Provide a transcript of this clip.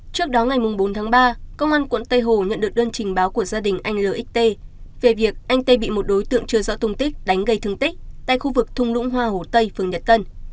trước đó ngày bốn tháng ba công an quận tây hồ nhận được đơn trình báo của gia đình anh l về việc anh tê bị một đối tượng chưa rõ tung tích đánh gây thương tích tại khu vực thung lũng hoa hồ tây phường nhật tân